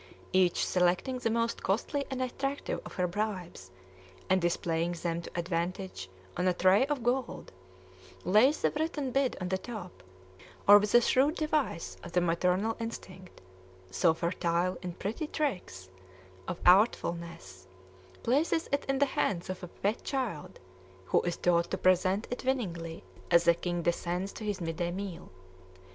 Each selecting the most costly and attractive of her bribes, and displaying them to advantage on a tray of gold, lays the written bid on the top; or with a shrewd device of the maternal instinct, so fertile in pretty tricks of artfulness, places it in the hands of a pet child, who is taught to present it winningly as the king descends to his midday meal.